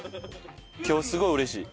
今日すごい嬉しい。